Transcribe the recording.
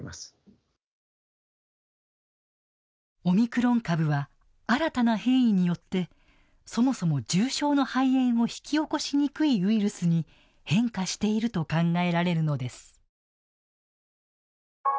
オミクロン株は新たな変異によってそもそも重症の肺炎を引き起こしにくいウイルスに変化していると考えられるのです。